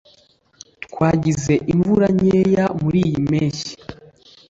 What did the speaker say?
twagize imvura nkeya muriyi mpeshyi